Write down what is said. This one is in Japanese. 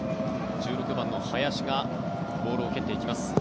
１６番の林がボールを蹴っていきます。